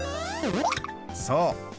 そう。